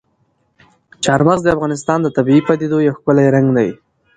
چار مغز د افغانستان د طبیعي پدیدو یو ښکلی رنګ دی.